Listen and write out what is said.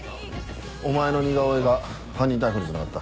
お前の似顔絵が犯人逮捕につながった。